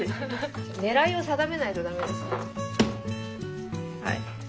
狙いを定めないとダメですよ。